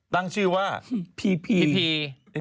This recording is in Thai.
ตั้งชื่อว่าพีพีพี